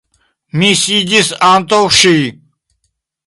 Mi sidis antaŭ ŝi.